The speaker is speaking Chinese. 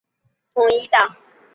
该区早期支持北爱尔兰统一党。